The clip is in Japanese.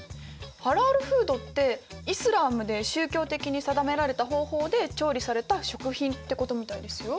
「ハラールフード」ってイスラームで宗教的に定められた方法で調理された食品ってことみたいですよ。